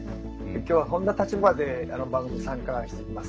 今日は、こんな立場で番組に参加しています。